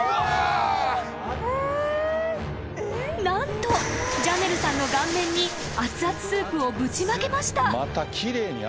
［何とジャネルさんの顔面にあつあつスープをぶちまけました］